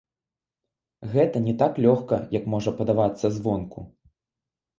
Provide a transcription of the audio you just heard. Гэта не так лёгка, як можа падавацца звонку.